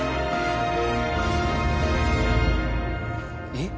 えっ？